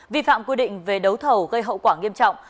vi phạm quy định về đấu thầu gây hậu quả nghiêm trọng